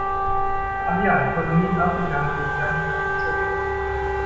Ach ja, die Kolonie in Afrika hatte ich gar nicht mehr auf dem Zettel.